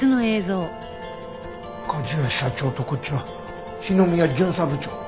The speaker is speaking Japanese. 梶谷社長とこっちは篠宮巡査部長？